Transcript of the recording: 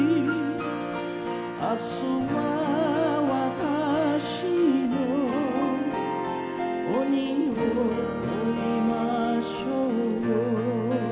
明日は私の鬼を追いましょう」